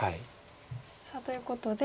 さあということで。